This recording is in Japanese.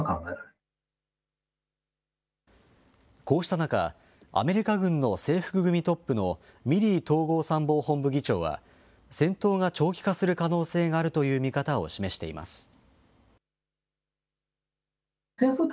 こうした中、アメリカ軍の制服組トップのミリー統合参謀本部議長は、戦闘が長期化する可能性があるという見方を示しています。